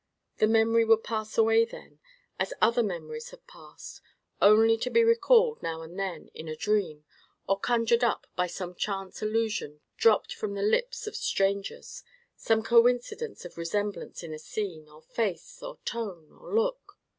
That memory would pass away then, as other memories have passed; only to be recalled, now and then, in a dream; or conjured up by some chance allusion dropped from the lips of strangers, some coincidence of resemblance in a scene, or face, or tone, or look.